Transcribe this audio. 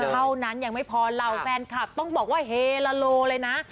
เท่านั้นยังไม่พอเหล่าแฟนคลับต้องบอกว่าเฮลาโลเลยนะ